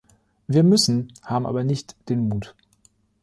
Wir müssen, haben aber nicht den Mut.